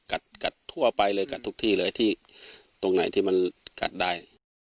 กัดทั่วไปเลยกัดทุกที่เลยที่ตรงไหนที่มันกัดได้